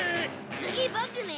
次ボクね！